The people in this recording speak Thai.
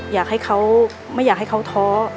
อยากให้เขาไม่อยากให้เขาท้อ